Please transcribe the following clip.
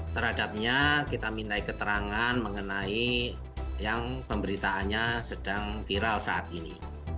terhadapnya kita minta keterangan mengenai yang pemberitaannya sedang viral saat ini